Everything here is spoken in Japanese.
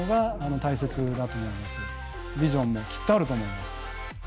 ビジョンもきっとあると思いますので。